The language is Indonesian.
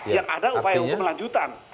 yang ada upaya untuk melanjutkan